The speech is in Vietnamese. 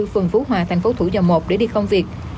phường phú hòa thành phố thủ dầu một để đi công việc